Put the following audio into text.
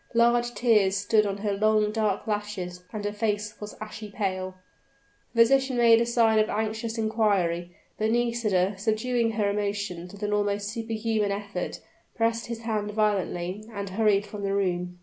Large tears stood on her long, dark lashes, and her face was ashy pale. The physician made a sign of anxious inquiry; but Nisida, subduing her emotions with an almost superhuman effort, pressed his hand violently and hurried from the room.